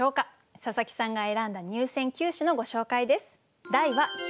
佐佐木さんが選んだ入選九首のご紹介です。